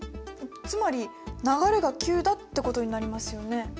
つまり流れが急だってことになりますよね。